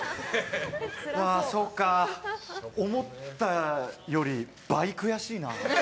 そうか思ったより倍悔しいな。